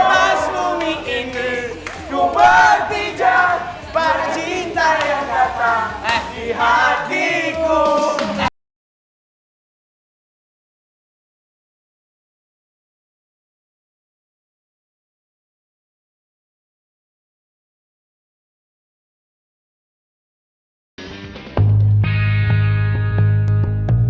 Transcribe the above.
pokoknya dikasih nama apa